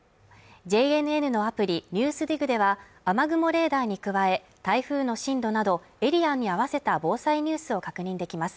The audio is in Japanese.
ＪＮＮのアプリ「ＮＥＷＳＤＩＧ」では雨雲レーダーに加え、台風の進路などエリアに合わせた防災ニュースを確認できます。